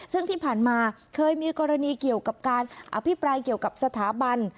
ซึ่งที่ผ่านมาเคยมีกรณีเกี่ยวกับการอภิปรายเกี่ยวกับสถาบัน